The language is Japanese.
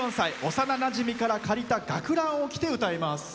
幼なじみから借りた学ランを着て歌います。